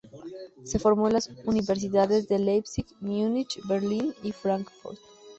Se formó en las Universidades de Leipzig, Múnich, Berlín y Fráncfort.